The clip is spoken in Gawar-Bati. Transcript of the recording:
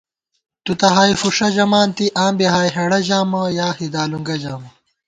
تُو تہ ہائے فُݭہ ژمانتی، آں بی ہائے ہېڑہ ژامہ ، یا ہِدالُونگہ ژامہ